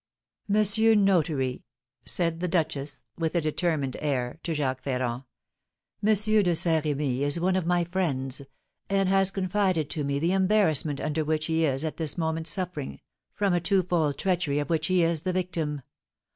"Monsieur Notary," said the duchess, with a determined air, to Jacques Ferrand, "M. de Saint Remy is one of my friends, and has confided to me the embarrassment under which he is at this moment suffering, from a twofold treachery of which he is the victim.